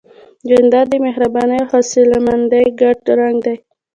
جانداد د مهربانۍ او حوصلهمندۍ ګډ رنګ دی.